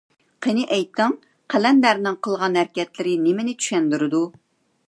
قېنى ئېيتىڭ، قەلەندەرنىڭ قىلغان ھەرىكەتلىرى نېمىنى چۈشەندۈرىدۇ؟